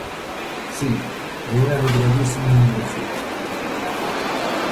Si, un erro gravísimo nun docente.